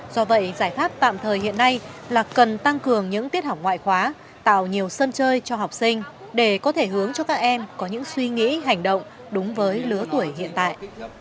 do vậy giải pháp tạm thời hiện nay là cần tăng cường những tiết học ngoại khóa tạo nhiều sân chơi cho học sinh để có thể hướng cho các em có những suy nghĩ hành động đúng với lứa tuổi hiện tại